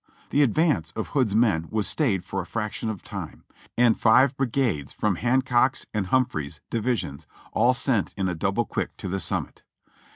The advance of Hood's men was stayed for a fraction of time, and five brigades from Hancock's and Humphreys's divisions all sent in a double quick to the summit.